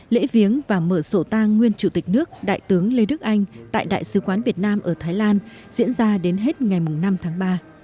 lễ viếng và mở sổ tang nguyên chủ tịch nước đại tướng lê đức anh tại đại sứ quán việt nam ở thái lan diễn ra đến hết ngày năm tháng ba